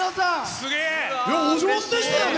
すげえ！